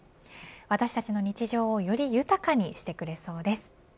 私たちの日常をより豊かにしてくれそうです。